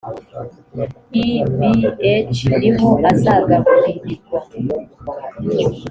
ibh ni ho azagaburirirwa